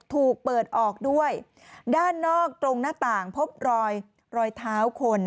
ถูกเปิดออกด้วยด้านนอกตรงหน้าต่างพบรอยรอยเท้าคน